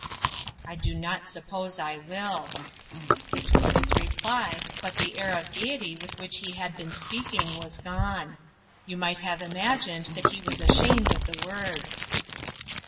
"I do not suppose I will." This was his reply, but the air of gayety with which he had been speaking was gone. You might almost have imagined that he was ashamed of the words.